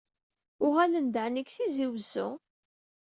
Uɣalen-d ɛni seg Tizi Wezzu?